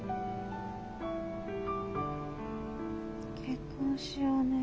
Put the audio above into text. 結婚しようね。